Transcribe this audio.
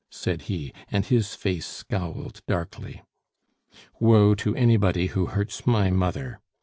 said he, and his face scowled darkly. "Woe to anybody who hurts my mother!